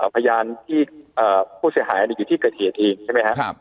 พยานที่ผู้เสียหายอดีตอยู่ที่เกษียทีใช่ไหมครับ